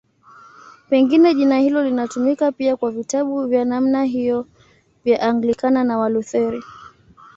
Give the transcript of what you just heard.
Pengine jina hilo linatumika pia kwa vitabu vya namna hiyo vya Anglikana na Walutheri.